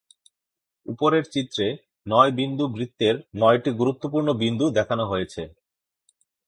উপরের চিত্রে নয়-বিন্দু বৃত্তের নয়টি গুরুত্বপূর্ণ বিন্দু দেখানো হয়েছে।